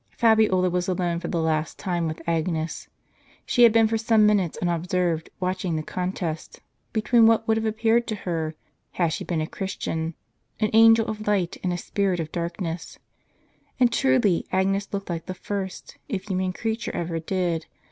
Fabiola was alone for the last time with Agnes. She had been for some minutes unobserved watching the contest, between what would have appeared to her, had she been a Christian, an angel of light and a spirit of darkness; and truly Agnes looked like the first, if human creature ever did.